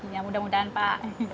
ya mudah mudahan pak